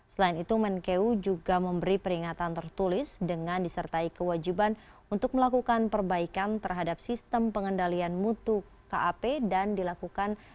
selain itu menkeu juga memberi peringatan tertulis dengan disertai kewajiban untuk melakukan perbaikan terhadap sistem pengendalian mutu kap dan dilakukan